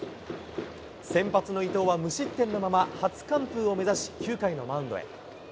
先発の伊藤は無失点のまま初完封を目指し、９回のマウンドへ。